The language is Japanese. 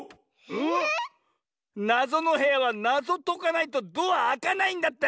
⁉なぞのへやはなぞとかないとドアあかないんだった！